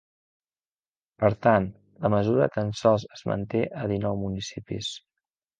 Per tant, la mesura tan sols es manté a dinou municipis.